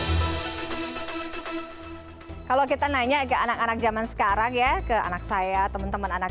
kalau kita nanya ke anak anak zaman sekarang ya ke anak saya teman teman anak